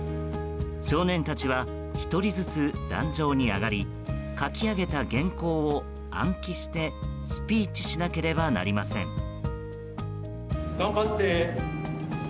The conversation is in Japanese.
少年たちは１人ずつ壇上に上がり書き上げた原稿を暗記してスピーチしなければなりません。